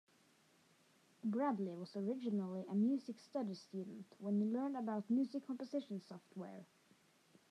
Bradley was originally a music studies student when he learned about music composition software.